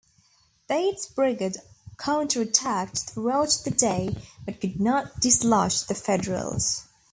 Bate's brigade counterattacked throughout the day but could not dislodge the Federals.